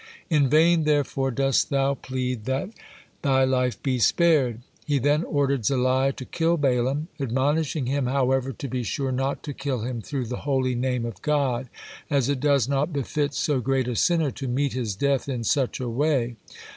In vain therefore dost thou plead that thy life by spared." He then ordered Zaliah to kill Balaam, admonishing him, however, to be sure not to kill him through the holy name of God, as it does not befit so great a sinner to meet his death in such a way.